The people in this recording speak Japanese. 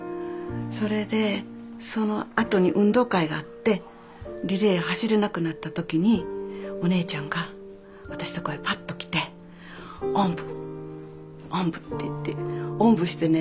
それでそのあとに運動会があってリレー走れなくなった時にお姉ちゃんが私とこへパッと来ておんぶおんぶって言っておんぶしてね